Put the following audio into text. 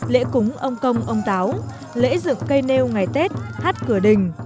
lễ cúng ông công ông táo lễ dựng cây nêu ngày tết hát cửa đình